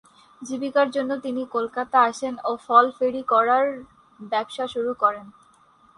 জীবিকার জন্য তিনি কলকাতা আসেন ও ফল ফেরি করার ব্যবসা শুরু করেন।